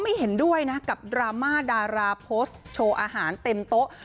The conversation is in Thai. เห็นด้วยนะกับดราม่าดาราโพสต์โชว์อาหารเต็มโต๊ะ